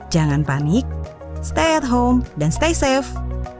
jangan panik stay at home dan stay safe